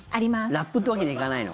ラップってわけにはいかないの？